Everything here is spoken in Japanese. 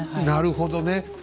なるほどね。